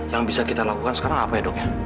yang bisa kita lakukan sekarang apa ya dok ya